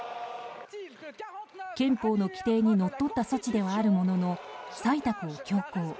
憲法の規定にのっとった措置ではあるものの採択を強行。